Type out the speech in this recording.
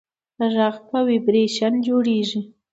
غږ په ویبرېشن جوړېږي.